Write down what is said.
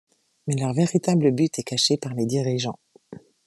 Mais leur véritable but est caché par les dirigeants.